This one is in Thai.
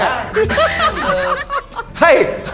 อย่าขอเห็น